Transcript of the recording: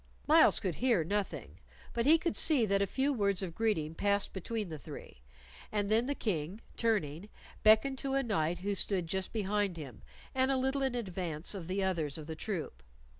Myles could hear nothing, but he could see that a few words of greeting passed between the three, and then the King, turning, beckoned to a knight who stood just behind him and a little in advance of the others of the troop.